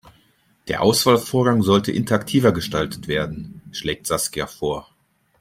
Der Auswahlvorgang sollte interaktiver gestaltet werden, schlägt Saskia vor.